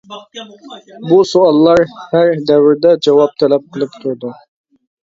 بۇ سوئاللار ھەر دەۋردە جاۋاب تەلەپ قىلىپ تۇرىدۇ.